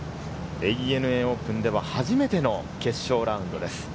ＡＮＡオープンでは初めての決勝ラウンドです。